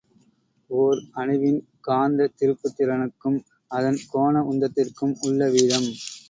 ஒர் அணுவின் காந்தத் திருப்புத் திறனுக்கும் அதன் கோண உந்தத்திற்கும் உள்ள வீதம்.